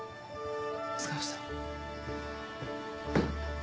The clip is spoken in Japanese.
お疲れした。